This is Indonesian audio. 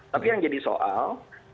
tapi yang jadi soal